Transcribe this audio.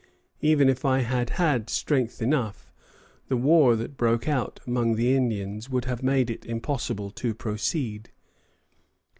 Even if I had had strength enough, the war that broke out among the Indians would have made it impossible to proceed."